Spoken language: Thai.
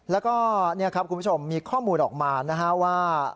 แล้วก็นี่ครับคุณผู้ชมมีข้อมูลออกมานะฮะว่า